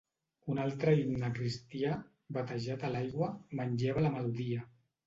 Un altre himne cristià, "Batejat a l'aigua", manlleva la melodia.